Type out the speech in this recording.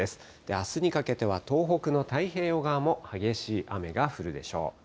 あすにかけては、東北の太平洋側も激しい雨が降るでしょう。